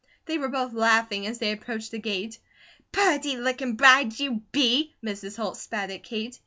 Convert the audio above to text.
They were both laughing as they approached the gate. "Purty lookin' bride you be!" Mrs. Holt spat at Kate.